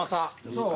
そう？